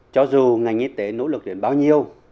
cho dù ngành y tế nỗ lực đến bao nhiêu